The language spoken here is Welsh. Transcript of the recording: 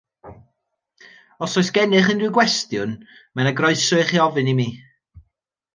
Os oes gennych unrhyw gwestiwn, mae yna groeso ichi ofyn i mi